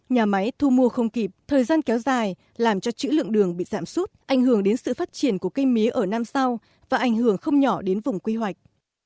nhà máy thu mua không kịp thời gian kéo dài làm cho chữ lượng đường bị giảm sút ảnh hưởng đến sự phát triển của cây mía ở năm sau và ảnh hưởng không nhỏ đến vùng quy hoạch